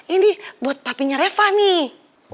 ini buat papinya reva nih